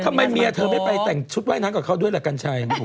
ทำไมเมียเธอไม่ไปแต่งชุดว่ายน้ำกับเขาด้วยล่ะกัญชัย